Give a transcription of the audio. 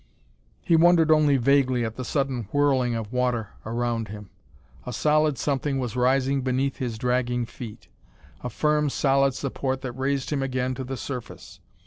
He wondered only vaguely at the sudden whirling of water around him. A solid something was rising beneath his dragging feet; a firm, solid support that raised him again to the surface.